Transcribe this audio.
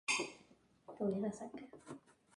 Hijo de padres libaneses.